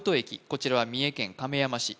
こちらは三重県亀山市